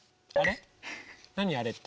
何あれって？